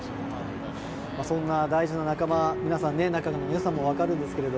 そんな大事な仲間の皆さん仲のよさも分かるんですが。